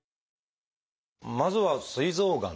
まずは「すい臓がん」。